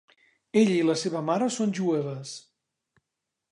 Ella i la seva mare són jueves.